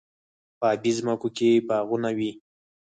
په ابی ځمکو کې باغونه وي.